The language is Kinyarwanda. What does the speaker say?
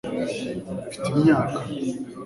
mfite imyaka